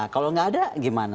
kalau nggak ada gimana